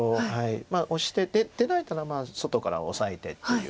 オシて出られたら外からオサえてっていう。